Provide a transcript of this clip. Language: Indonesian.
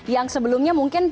yang sebelumnya mungkin